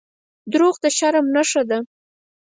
• دروغ د شرم نښه ده.